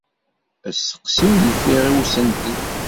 Asteqsi ur yeffiɣ i usentel.